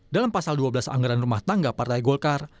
dalam pasal dua belas anggaran rumah tangga partai golkar